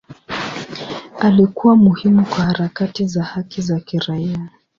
Alikuwa muhimu kwa harakati za haki za kiraia.